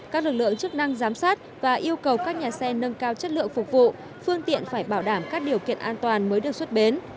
các lực lượng chức năng giám sát và yêu cầu các nhà xe nâng cao chất lượng phục vụ phương tiện phải bảo đảm các điều kiện an toàn mới được xuất bến